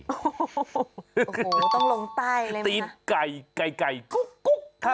โอ้โหต้องลงใต้อะไรมั้ยนะตีนไก่ไก่ไก่กุ๊กกุ๊กครับ